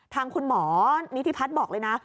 ทางคุณหมอนิธิพัฒน์บอกเลยนะ